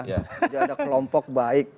jadi ada kelompok baik